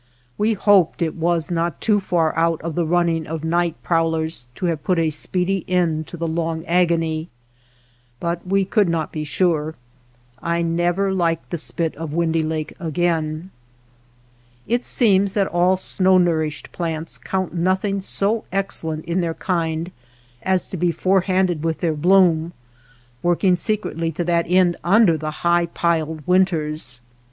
We hoped it was not too far out of the running of night( prowlers to have put a speedy end to the long agony, but we could not be sure. I never liked the spit of Windy Lake again. It seems that all snow nourished plants count nothing so excellent in their kind as to be forehanded with their bloom, work ing secretly to that end under the high piled winters.